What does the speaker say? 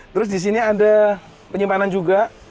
terus disini ada penyimpanan juga